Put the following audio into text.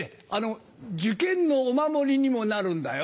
受験のお守りにもなるんだよ。